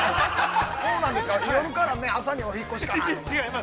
◆そうなんですか、夜から、朝にお引っ越しかなと。